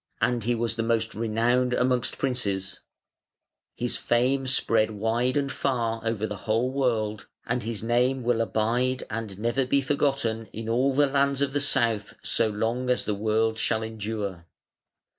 And he was the most renowned amongst princes; his fame spread wide and far over the whole world, and his name will abide and never be forgotten in all the lands of the South so long as the world shall endure.